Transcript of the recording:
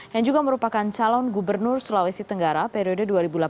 yang juga merupakan calon gubernur sulawesi tenggara periode dua ribu delapan belas dua ribu dua